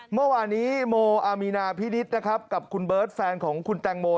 เมื่อวานนี้โมอามีนาพินิษฐ์นะครับกับคุณเบิร์ตแฟนของคุณแตงโม